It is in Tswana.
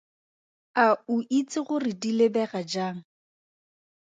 A o itse gore di lebega jang?